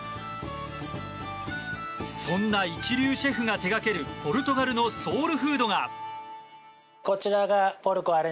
そんな一流シェフが手掛けるポルトガルのソウルフードが。